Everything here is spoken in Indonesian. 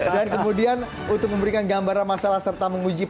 dan kemudian untuk memberikan gambaran masalah serta menguji